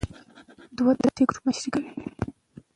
دوه تنه د دې ګروپ مشري کوي.